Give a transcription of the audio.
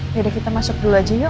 ya udah kita masuk dulu aja yuk